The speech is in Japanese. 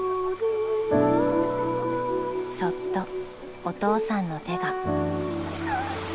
［そっとお父さんの手が］